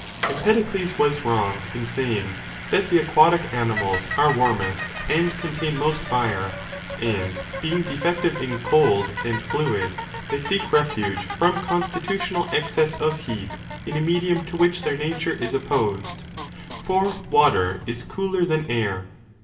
Empedocles^ wa8 wrong in saying that the aquatic animals are warmest and contain most fire, and, being 477^ defective in cold and fluid, they seek refuge from constitutional excess of heat in a medium to which their nature is opposed. For water is cooler than air.